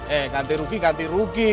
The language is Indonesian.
eh ganti rugi ganti rugi